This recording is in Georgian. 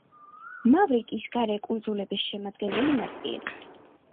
მავრიკის გარე კუნძულების შემადგენელი ნაწილი.